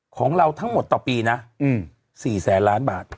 ของเราทั้งหมดต่อปีนะ๔แสนล้านบาท